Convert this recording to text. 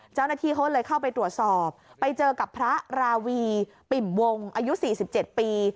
เจ้าหน้าที่เขาเลยเข้าไปตรวจสอบไปเจอกับพระราวีปิ่มวงอายุ๔๗ปี